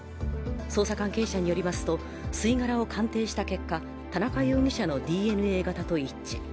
捜査関係者によりますと、吸い殻を鑑定した結果、田中容疑者のＤＮＡ型と一致。